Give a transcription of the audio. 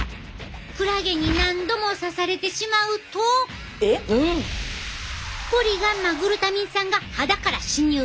クラゲに何度も刺されてしまうとポリガンマグルタミン酸が肌から侵入。